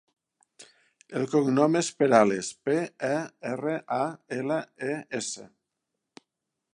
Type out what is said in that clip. El cognom és Perales: pe, e, erra, a, ela, e, essa.